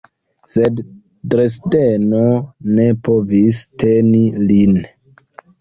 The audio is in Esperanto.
Sed Dresdeno ne povis teni lin.